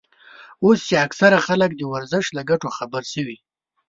اوس چې اکثره خلک د ورزش له ګټو خبر شوي.